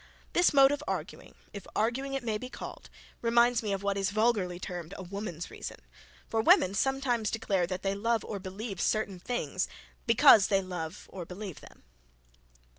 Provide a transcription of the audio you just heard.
This mode of arguing, if arguing it may be called, reminds me of what is vulgarly termed a woman's reason. For women sometimes declare that they love, or believe certain things, BECAUSE they love, or believe them.